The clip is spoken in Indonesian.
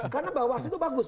karena bawah itu bagus